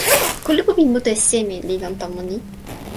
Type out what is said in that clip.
kulupu pi mute seme li lon tomo ni?